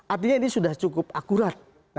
artinya ini sudah cukup akurat